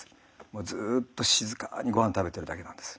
ずっと静かにごはん食べてるだけなんです。